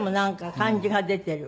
感じが出てる。